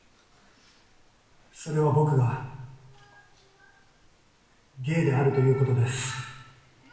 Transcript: それは僕が、ゲイであるということです。